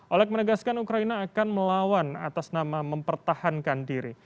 olek menegaskan ukraina akan melawan atas nama mempertahankan diri